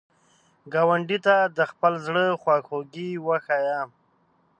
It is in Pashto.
ګاونډي ته د خپل زړه خواخوږي وښایه